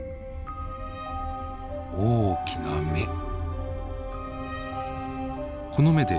大きな目。